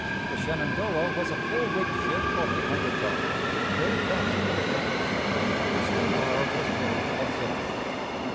The Shenandoah was a full rigged ship of eight hundred tons, very fast under canvass. Her steam power was merely auxiliary.